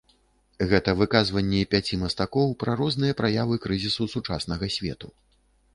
Гэта выказванні пяці мастакоў пра розныя праявы крызісу сучаснага свету.